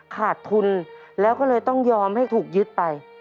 ขาดทุนแล้วก็เลยต้องยอมให้ถูกยึดไป